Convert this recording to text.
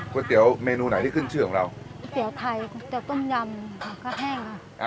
เตี๋ยวเมนูไหนที่ขึ้นชื่อของเราก๋วยเตี๋ยวไทยเตี๋ยต้มยำข้าวแห้งค่ะ